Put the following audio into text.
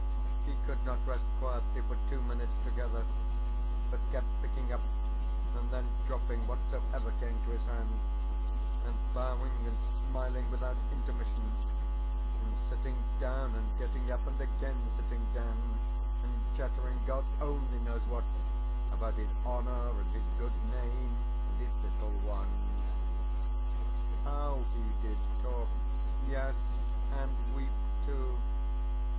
He could not rest quietly for two minutes together, but kept picking up and then dropping whatsoever came to his hand, and bowing and smiling without intermission, and sitting down and getting up, and again sitting down, and chattering God only knows what about his honour and his good name and his little ones. How he did talk yes, and weep too!